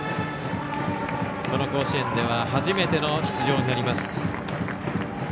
この甲子園では、初めての出場になります。